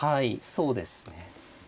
そうですね。